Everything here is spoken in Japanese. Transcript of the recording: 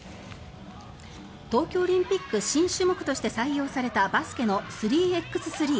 東京オリンピック新種目として採用されたバスケの３ｘ３。